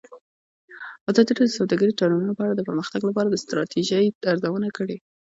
ازادي راډیو د سوداګریز تړونونه په اړه د پرمختګ لپاره د ستراتیژۍ ارزونه کړې.